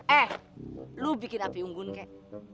eh lu bikin api unggun kek